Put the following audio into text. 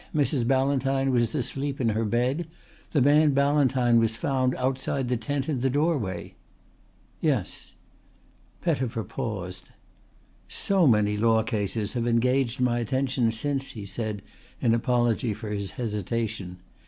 Mrs. Ballantyne was asleep in her bed. The man Ballantyne was found outside the tent in the doorway." "Yes." Pettifer paused. "So many law cases have engaged my attention since," he said in apology for his hesitation.